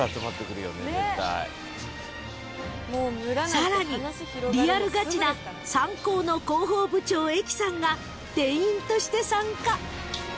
［さらにリアルガチなサンコーの広報部長えきさんが店員として参加］